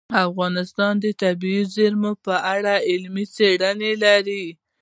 افغانستان د طبیعي زیرمې په اړه علمي څېړنې لري.